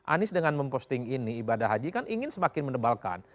anies dengan memposting ini ibadah haji kan ingin semakin mendebalkan